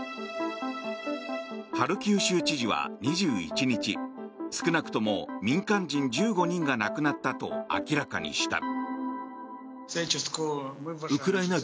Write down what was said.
ハルキウ州知事は２１日少なくとも民間人１５人が亡くなったと明らかにした。